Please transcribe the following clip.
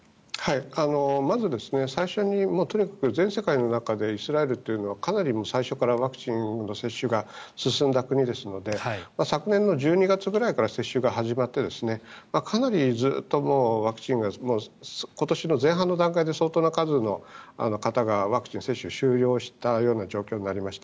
まず最初にとにかく全世界の中でイスラエルというのはかなり最初からワクチンの接種が進んだ国ですので昨年の１２月ぐらいから接種が始まってかなりずっとワクチンが今年の前半の段階で相当な数の方がワクチンの接種、終了したような状況になりました。